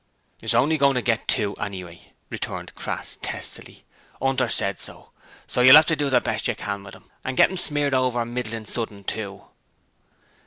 'It's only goin' to get two, anyway,' returned Crass, testily. ''Unter said so, so you'll 'ave to do the best you can with 'em, and get 'em smeared over middlin' sudden, too.'